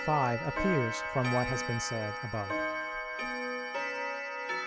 5: appears from what has been said above.